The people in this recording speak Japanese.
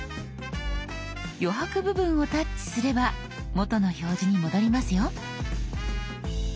余白部分をタッチすれば元の表示に戻りますよ。